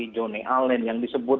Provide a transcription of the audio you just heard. joni allen yang disebut